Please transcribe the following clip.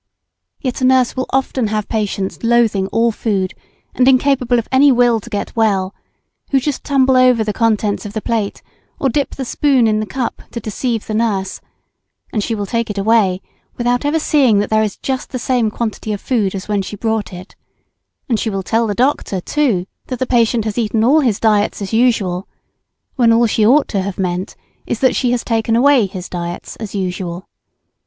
Yet a nurse will often have patients loathing all food and incapable of any will to get well, who just tumble over the contents of the plate or dip the spoon in the cup to deceive the nurse, and she will take it away without ever seeing that there is just the same quantity of food as when she brought it, and she will tell the doctor, too, that the patient has eaten all his diets as usual, when all she ought to have meant is that she has taken away his diets as usual.